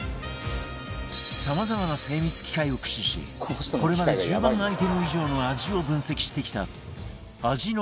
さまざまな精密機械を駆使しこれまで１０万アイテム以上の味を分析してきた味の研究者